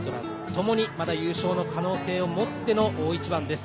ともに優勝の可能性を持っての大一番です。